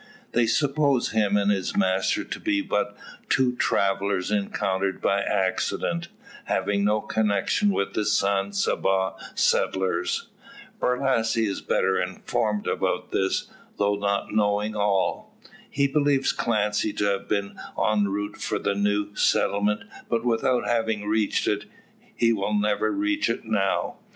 They suppose him and his master to be but two travellers encountered by accident, having no connection with the San Saba settlers. Borlasse is better informed about this, though not knowing all. He believes Clancy to have been en route for the new settlement, but without having reached it. He will never reach it now.